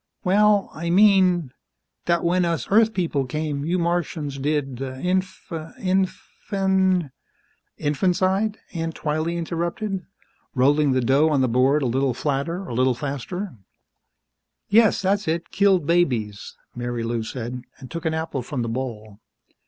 "Well, I mean, that when us Earth people came, you Martians did inf ... infan ..." "Infanticide?" Aunt Twylee interrupted, rolling the dough on the board a little flatter, a little faster. "Yes, that's it killed babies," Marilou said, and took an apple from the bowl.